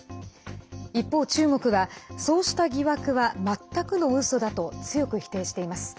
一方、中国はそうした疑惑は全くのうそだと強く否定しています。